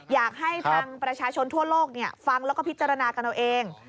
อยากให้ทางประชาชนทั่วโลกฟังแล้วก็พิจารณากันเอาเอง